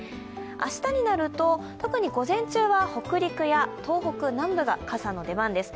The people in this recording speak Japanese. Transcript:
明日になると、特に午前中は北陸や東北南部が傘の出番です。